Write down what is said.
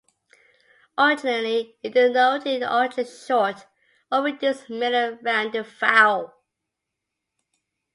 Originally, it denoted an ultra-short or reduced middle rounded vowel.